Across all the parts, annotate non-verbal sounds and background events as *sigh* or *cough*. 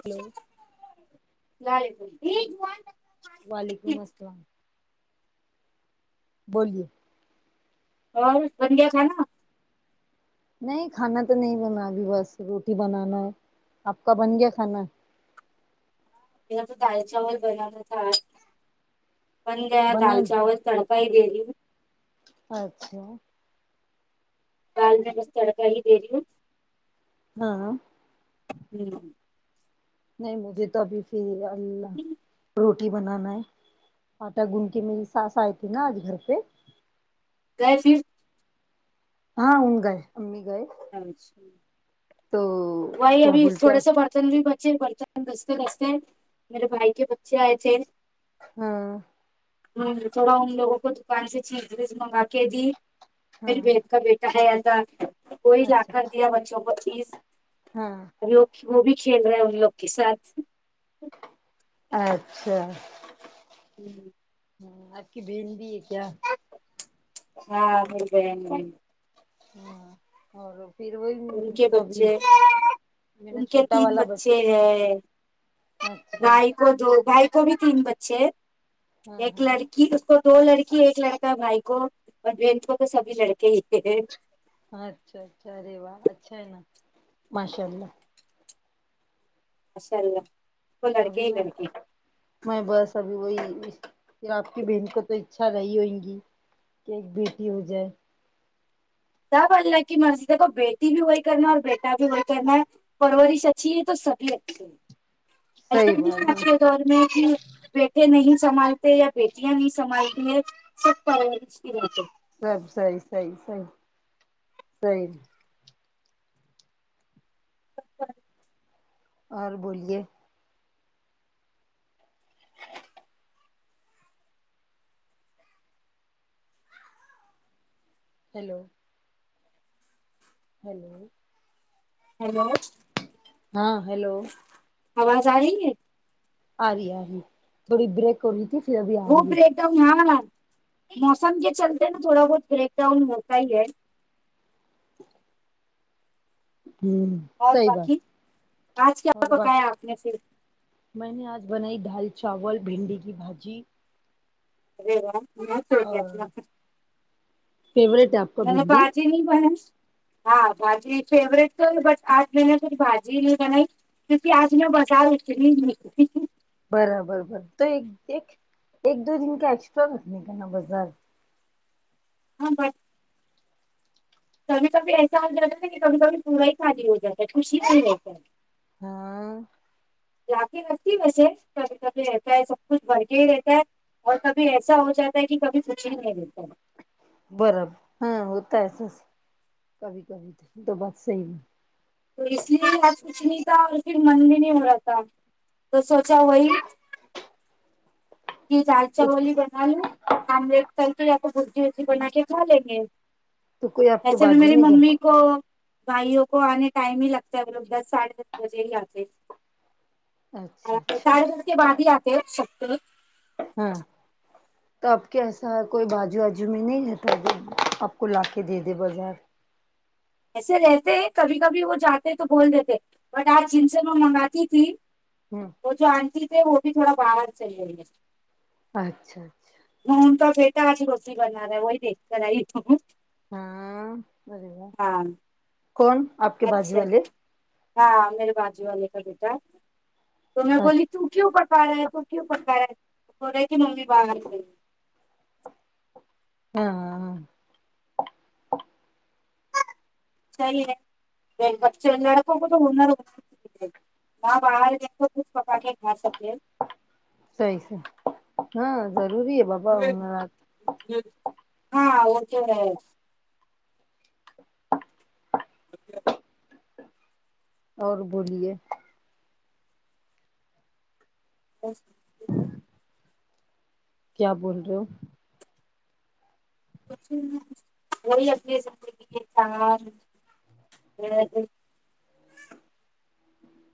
hello اسلام علیکم وعلیکم السلام بولیے اور بن گیا کھانا نہیں کھانا تو نہیں بنا ابھی بس روٹی بنانا ہے آپ کا بن گیا کھانا یہ تو دال چاول بنانا تھا آ بن گیا بنا دال چاول تڑکا ہی دیدی اچھا دال میں بس تڑکا ہی دے رہی ہاں ہوں نہیں مجھے توبھی پھر اللہ رو رٹی بنانا ہے آٹا گنڈ کے میری ساس آئی تھی نا آج گھر پہ کیسی ہاں ہن گائے امی گائے اچھا تو وہی کیا ابھی بولتے تھوڑے سے بڑ برتن بھی بچے برتن دستے دستے میرے بھائی کے بچے آئے تھے ہاں ہ تھوڑا ان لوگوں کو دوکان سے چیبز ویز منگوا کے دی ہاں میری جیٹ کا بیٹا ہے ایسا کوئی لا اچھا کر دیا بچوں کو چیبز ہاں ابھی وہ وہ بھی کھیل رہے ہیں ان لوگ کے ساتھ اچھا ہوں ہاں آپ کی بہن بھی ہے کیا ہاں میری بہن ہے ہاں اور پھر وہی ام ان کے توبھی بچے میرا چھوٹا والا بچہ ہ بھائی کو دو بھائی کو بھی تین بچے ہاں ایک ہاں لڑکی اس کو دو لڑکی ایک لڑکا بھائی کو اور بہن کو تو سبھی لڑکے ہی اچھا اچھا ارے واہ اچھا ہے نا ماشاء اللہ ماشاء اللہ کو لڑکے ابھی ہی میں لڑکے میں بس ابھی وہی پھر آپ کی بہن کو تو اچھا نہیں ہونگی کہ ایک بیٹی ہو جائے سب اللہ کی مرضی دیکھو بیٹی بھی وہی کرنا ہے اور بیٹا بھی وہی کرنا ہے پرورش اچھی ہے تو سبھی اچھی ہے صحیح بات ہاں ایسا دور میں کہ بیٹے نہیں سنبھالتے یا بیٹیاں نہیں سنبھالتی ہیں سب پرورش کی رہتے سب صحیح صحیح صحیح صحیح اور بولیے ہیلو ہیلو ہیلو ہاں ہیلو آواز آ رہی ہے آ رہی ہے آ رہی تھوڑی بریک ہو رہی تھی پھر ابھی آ رہی ہے تو ہاں موسم کے چلتے نا تھوڑا بہت بریک ڈاؤن ہوتا ہی ہے ج ہوں اور صحیح باقی بات آج کیا اور بات پکایا آپ نے پھر میں نے آج بنائی دال چاول بھنڈی کی بھاجی *unintelligible* اور *unintelligible* فیوریٹ ہے آپ کا بھنڈی بھاجی نہیں بس ہاں بھاجی فیوروریٹ تو بٹ آج میں نے بھاجی نہیں بنائی کیونکہ آج میں بازار اس کے گئی تھی کیوں کہ برابر بر تو ایک ایک ایک دو دن کا ایکسٹرا رکھنے کا بازار ہاں بس کبھی کبھی ایسا ہو جاتا ہے ن کہ کبھی کبھی پورا ہی خالی ہو جاتا ہے خوشی نہیں ہوتا ہے ہاں لاک کے رکھتی ویسے کبھی کبھی رہتا ہے سب کچھ بھر کے ہی رہتا ہے اور کبھی ایسا ہو جاتا ہے کہ کبھی کچھ ہی نہیں دیتا بر ہاں ہوتا ہے سس کبھی کبھی تو یہ بات صحیح تو اس لیے آج کچھ نہیں تھا اور پھر من بھی نہیں ہو رہا تھا تو سوچا وہی یہ دال تو چاول یی بنا لو آملیٹ تل دو یا بھجی ورجی بنا کے کھا لیں گے تو کوئی آپ کے ایسے بھی بازو میری میں ممی جاتا کو بھائیوں کو آنے ٹائم ہی لگتا ہے لوگ دس ساڈھے دس بجے ہی آتے ناقابل سماعت ساڈے دس کے بعد ہی آتے شکتی ہاں تو آپ کی ایسا ہے کوئی بجو آجو میں نہیں رہتا جب آپ کو لا کے دے دے بازار ایسے رہتے کبھی کبھی وہ جاتے تو بول دیتے بٹ آج جن سے میں منگاتی تھی ہوں وہ جو آنٹی تھے وہ بھی تھوڑا باہر چل رہئی ہے اچھا اچھا ان کا بیٹا آج روٹی بنا رہا ہے وہی دیکھ کر آئی ہ ہاں اری وا کون آپ کے بازو اچھا والے ہاں میرے بازو والو کا بیٹا تو میں بی اچھا تو کیوں پکا رہا ہے تو کیوں پکا ہے رہے کی ممی باہر گئی ہے ہاں ہاں ہاں *unintelligible* *unintelligible* صحیح س ہاں ضروری ہے بپ ہاں وہ تو ہے اچ اور بولیے بس کیا بول رہے ہو *unintelligible*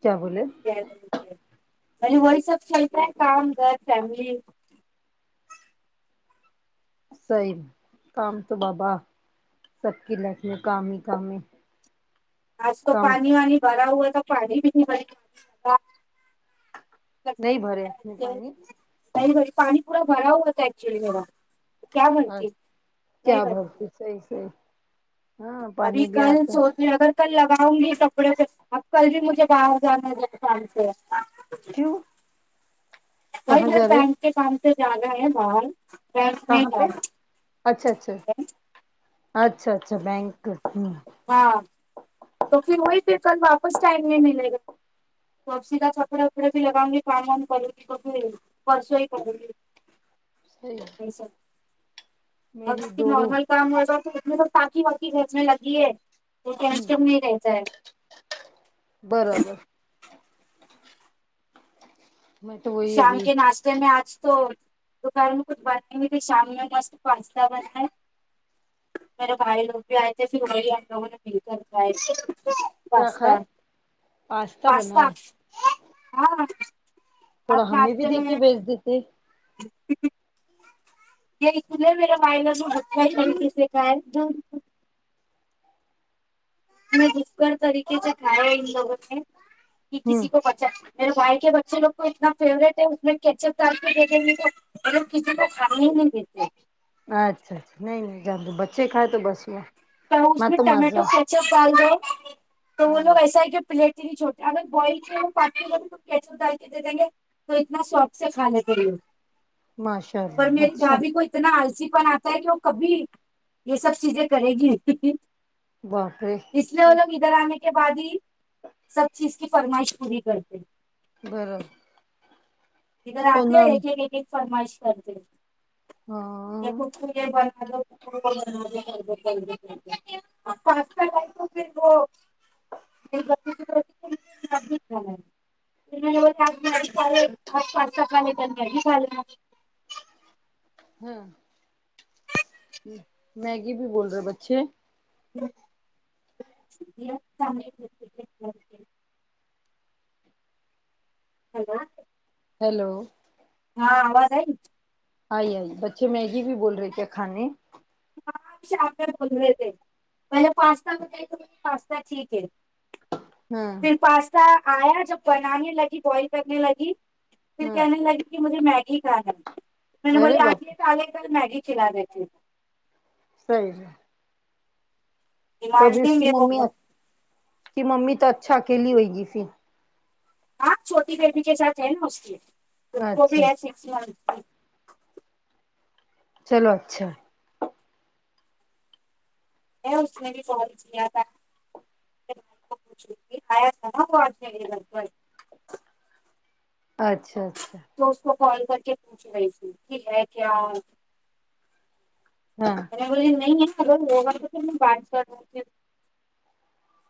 کیا بولے وہی سب چلتا ہے کام گھر فیملی سی کام تو بابا سب کی لائف میں کام ہی کام ہے آج تو کام پانی وانی بھرا ہوا تو پانی بھی نہیں بھر نہیں بھرے اپنے پانی نہیں بھری پانی پورا بھرا ہوتا ہے ایکچولی میرا تو کیا بھرتی نہیں بھری صیح صیح ابھی کل سوچے اگر کل لگاؤں گی کپڑے پہ اب کل بھی مجھے باہر جانا ہے شام سے کیوں بھائی کہاں جا رہے بینک کے کام سے جانا ہے باہر بینک میں کہاں پے پہ جانا اچھا اچھا ہے اچھا اچھا بینک ہمم ہاں تو پھر وہی پہ کل واپس ٹائم نہیں ملے گا تو اپ سیدھا کپڑے وپڑے بھی لگاؤ گی کام وام کرو گی تو پھر پرسوں ہی کرو گی *unintelligible* *unintelligible* میری دورو کام ہوتاا تو ا تو تاکی واقی گھرنے لگی ہے تو کیٹ ہوں نہیں رہتا ہے برابر میں تو وہی ابھی شام کے ناش میں آج تو دوکان میں کچھ بند ہوئی تھی شام میں آج تو پاستا بنا ہے میرے بھائی لوگ بھی آئے تھے پھر وہی ہم لوگوں نے مل کر کھاے تھے کیا کھائے پستا پاستا بنا پستا ہے ہاں آج تھوڑا ہمیں بھی ناشتے میں دیکے بیھج دیتے *unintelligible* بھوکڈ طریقے سے کھایا ان لوگوں نے کہ ہوں کسی کو پتا اچھ میرے بھائی کے بچے لوگ کو اتنا فیورٹ ہے کے اس میں کیچپ دال کے دیکھیں گے مگر کسی تو کھانے نہیں دیتے اچھا اچھا نہیں نہیں جان دے بچے کھائے تو بس میں تو اس میں ٹمیٹو کچپ ڈال دو تو وہ ہاں لوگ ایسا ہے کہ پلیٹ چھوٹے ہم بوئل کے پانی میں کچپ دال کے دےدینگے تو اتنا شوق سے کھالیتے ہے ماشاء پر اللہ میری اچھا بھابھی کو اتنا آلسی پن آتا ہے کہ وہ کبھی یہ سب چیزیں کرے گی نہیں باپ رے اس یے وہ لوگ ادھر آنے کے کے بعد ہی سب چیز کی فرمائش پوری کرتے ہیں برا ادھر آتے ہیں ایک ایک ایک ایک فرمائش کرتے ہیں ہاں *unintelligible* پاستا لائی تو پھر وہ *unintelligible* اج پاستہ کھانے ٹائم پہ آئ ہوں میگی بھی بول رہے بچے ہیلو ہیلو ہاں آواز آئی آئی آئی بچے میگی بھی بول رہے کیا کھانے ہاں شام میں بول رہے تھے پہلے پاستا ب پاستا ٹھیک ہے ہاں پھر پاستا آیا جب بنانے لگی بوئل کرنے لگی پھر ہاں کہنے لگی کہ مجھے میگی کھانا میں نے ارے بولی آگے باپ اج یہ کھالے کال میگی کھلا دیتی ہوں صحیح ہے تو ابھی اس ڈیمانڈنگ کی ہے وہ ممی بہت اس کی ممی تو اچھا اکیلی ہوئے گی پھر ہاں چھوٹی بیٹی کے ساتھ ہے نا اس لیے اس کو بھی اچھا ہے اچھا ایسے ستاتی چلو اچھا میں اس نے بھی کوکال کیا تھا ایا تھا نا وہ اج میرے گھر کو اچھا اچھا تو اس کو کال کر کے پوچھ رہی تھی کی ہے کیا ہاں می بولی نہیں نہیں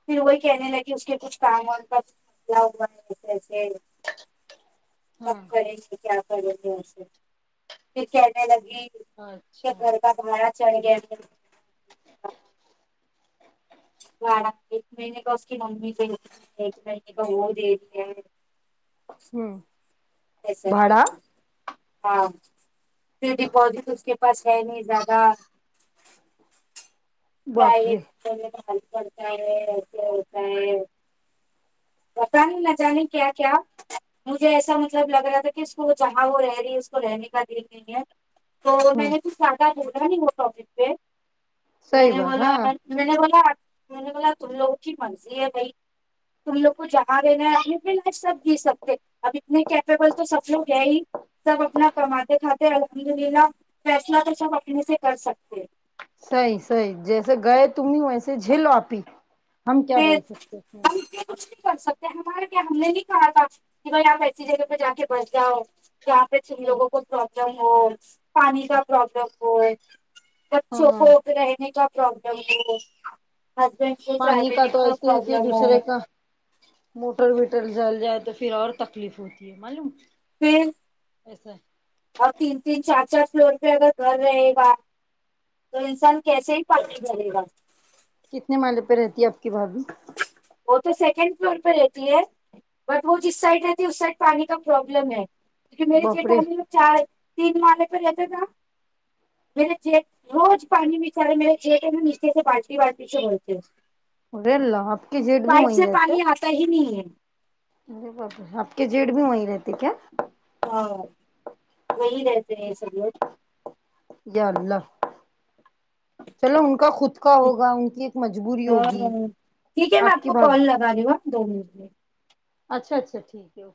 پھر وہی کہنے لگی اس کے کچھ کام پر *unintelligible* کب ہاں کریں گے کیا کریں گے اسے پھر کہنے لگی اچھا گھر کا کمیا چلگیا ایک مہینے کا اس کی ممی ایک مہینے کا وہ دے دیا ہوں جی سر ٹھیک بھاڑا ہاں پھر ڈپزٹ اس کے پاس ہے نہیں زیادہ باپ رے پڑتا ہے ایسے ہوتا ہے پتہ نئی نہ جانے کیا کیا مجھے ایسا مطلب لگ رہا تھا کہ اس کو جہاں وہ رہی ہے اس کو رہنے کا دل نہیں ہے تو میں ہوں نے تو کچھ زیادہ نہیں بولا اس ٹاپک پے میں صحیح نے بات بولا ہاں میں نے بولا میں نے بولا تم لوگ کی مرضی ہے بھائی تم لوگ کو جہاں رہنا ہے اپنی پلاج سب جی سکتے اب اتنے کیپیبل تو سب لوگ ہے ہی سب اپنا کماتے کھاتے الحمد للہ فیصلہ تو سب اپنے سے کر سکتے ہیں صحیح صحیح جیسے گئے تم ہی ویسے جھیلوں آپی ہم کیا پھر بول سکتے اس میں ہم یہ کچھ نہیں کر سکتے ہمارے کیا ہم نے نہیں کہا تھا کہ بھائی آپ ایسی جگہ پہ جا کے بس جاؤ جہاں پہ تم لوگوں کو پرابلم ہو پانی کا پروابلم ہو بچوں کو ہاں رہنے کا پرابلم ہو ہسبینڈ کو کل تو کا اس کی تھی پرابلم دوسرے ہے کا موٹر ویٹر جل جائے تو پھر اور تکلیف ہوتی ہے معلوم پھر ایسا ہے اور تین تین چار چار فلور پہ اگر گھر رہے گا تو انسان کیسے ہی پانی بھرے گا کتنے مالے پہ رہتی ہے آپ کی بھابھی وہ تو سیکنڈ فلور پہ رہتی ہے بٹ وہ جس سائڈ رہتی ہے اس سائڈ پانی کا پروبلم ہے کیوکے میری باپرے جیٹھانی چار تین مالے پے رہتے تھے نہ *unintelligible* رے اللہ آپ کی جیٹ بھی پائپ وہیں سے رہتے پانی آتا ہی نہیں ہے ارے باپ رے آپ کے جیت بھی وہی رہتے کیا ہاں وہی رہتے ہیں سب لوگ یا اللہ چلو ان کا خود کا ہوگا ان کی ایک مجبوری ہوگی ٹھیک ہے میں آپ کی بات *unintelligible* اچھا اچھا ٹھیک ہے